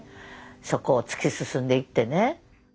そこを突き進んでいってね。